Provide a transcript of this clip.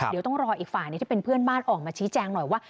เดี๋ยวต้องรออีกฝ่ายที่เป็นเพื่อนบ้านออกมาชี้แจงหน่อยว่า